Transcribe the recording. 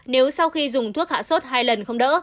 nếu sau khi dùng thuốc hạ sốt hai lần không đỡ